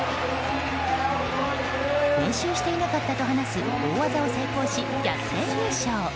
練習していなかったと話す大技を成功し、逆転優勝！